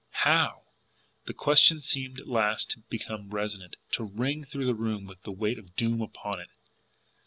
HOW! The question seemed at last to become resonant, to ring through the room with the weight of doom upon it.